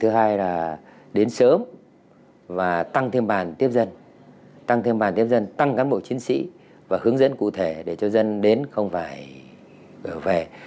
thứ hai là đến sớm và tăng thêm bàn tiếp dân tăng thêm bàn tiếp dân tăng cán bộ chiến sĩ và hướng dẫn cụ thể để cho dân đến không phải về